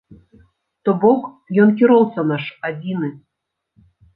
То бок, ён кіроўца наш адзіны.